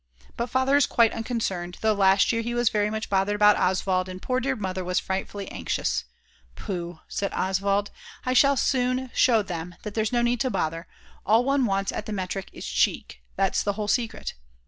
But Father is quite unconcerned, though last year he was very much bothered about Oswald, and poor dear Mother was frightfully anxious: "Pooh," said Oswald, "I shall soon show them that there's no need to bother; all one wants at the metric is cheek, that's the whole secret!"